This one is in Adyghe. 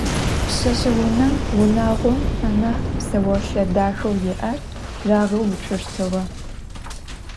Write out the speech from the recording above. Пшъэшъэунэм унагъом анахь псэолъэ дахэу иӏэр рагъэуцощтыгъэ.